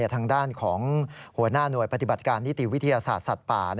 ทางด้านของหัวหน้าหน่วยปฏิบัติการนิติวิทยาศาสตร์สัตว์ป่า